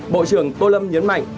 bộ trưởng tô lâm nhấn mạnh